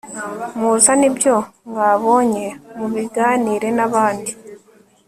muzane ibyo mwabonye mubiganire n'abandi